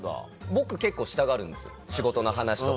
僕結構したがるんです仕事の話とか。